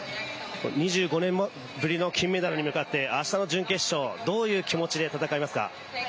２５年ぶりの金メダルに向かって、明日の準決勝どういう気持ちで戦いますか？